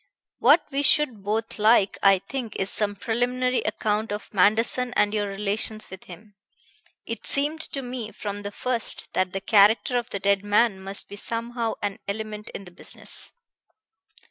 What we should both like, I think, is some preliminary account of Manderson and your relations with him. It seemed to me from the first that the character of the dead man must be somehow an element in the business."